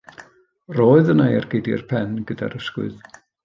Roedd yna ergyd i'r pen gyda'r ysgwydd.